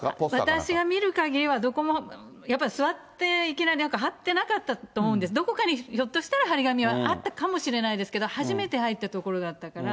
私が見るかぎりは、どこも、座って、貼ってなかったと思うんです、どこかに、ひょっとしたら張り紙はあったかもしれないですけど、初めて入った所だったから。